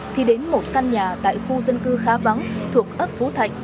thì đến một căn nhà tại khu dân cư khá vắng thuộc ấp phú thạnh